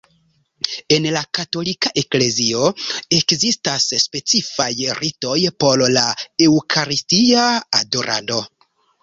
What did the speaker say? En la Katolika Eklezio ekzistas specifaj ritoj por la Eŭkaristia adorado.